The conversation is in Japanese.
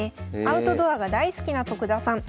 アウトドアが大好きな徳田さん。